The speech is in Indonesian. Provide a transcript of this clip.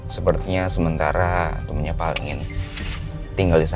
sepertinya sementara temennya pak al ingin tinggal di sana